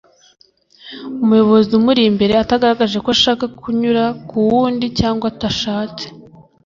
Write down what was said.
umuyobozi umuri imbere atagaragaje ko ashaka kunyura ku wundi cyangwa atashatse